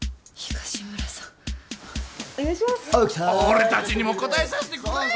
俺たちにも応えさせてくれよ。